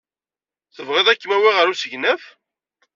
Tebɣid ad kem-awiɣ ɣer usegnaf?